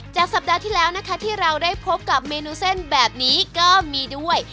สัปดาห์ที่แล้วนะคะที่เราได้พบกับเมนูเส้นแบบนี้ก็มีด้วย